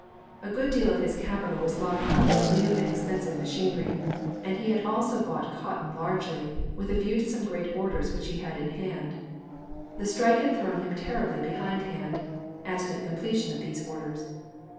A good deal of his capital was locked up in new and expensive machinery; and he had also bought cotton largely, with a view to some great orders which he had in hand. The strike had thrown him terribly behindhand, as to the completion of these orders.